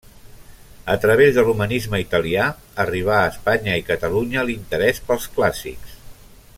A través de l'Humanisme italià, arribà a Espanya i Catalunya l'interès pels clàssics.